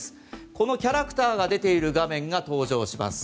このキャラクターが出ている画面が登場します。